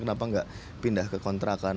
kenapa nggak pindah ke kontrakan